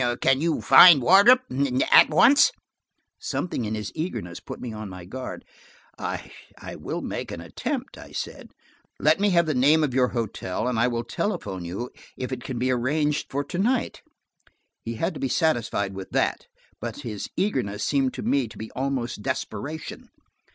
"Can you find Wardrop–at once?" Something in his eagerness put me on my guard. "I will make an attempt," I said. "Let me have the name of your hotel, and I will telephone you if it can be arranged for to night." He had to be satisfied with that, but his eagerness seemed to me to be almost desperation.